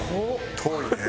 遠いね。